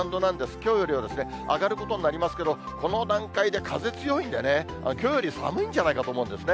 きょうよりは上がることになりますけど、この段階で、風強いんでね、きょうより寒いんじゃないかと思うんですね。